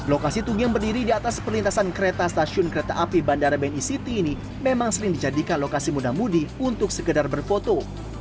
lokasi tunggi yang berdiri di atas perlintasan kereta stasiun kereta api bandara bni city ini memang sering dijadikan lokasi mudah mudi untuk sekedar berfoto